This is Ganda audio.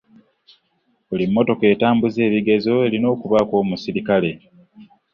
Buli mmotoka etambuza ebigezo erina okubaako omusirikale